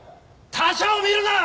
他者を見るな！